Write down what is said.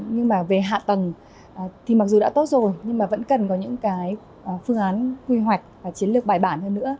nhưng mà về hạ tầng thì mặc dù đã tốt rồi nhưng mà vẫn cần có những cái phương án quy hoạch và chiến lược bài bản hơn nữa